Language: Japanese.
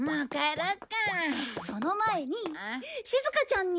その前にしずかちゃんに。